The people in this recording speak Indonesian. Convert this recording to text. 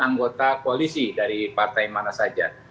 anggota koalisi dari partai mana saja